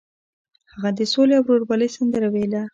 هغه د سولې او ورورولۍ سندره ویله.